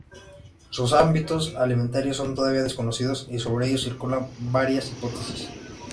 Sus hábitos alimentarios son todavía desconocidos y sobre ellos circulan varias hipótesis.